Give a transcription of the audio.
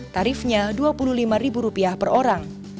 tarifnya rp dua puluh lima per orang